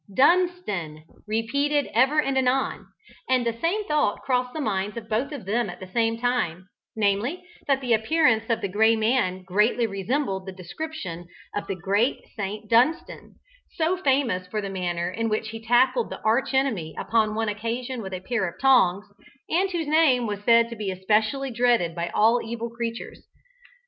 Dunstan!" repeated ever and anon, and the same thought crossed the minds of both of them at the same time, namely, that the appearance of the Gray Man greatly resembled the description of the great Saint Dunstan, so famous for the manner in which he tackled the arch enemy upon one occasion with a pair of tongs, and whose name was said to be especially dreaded by all evil creatures.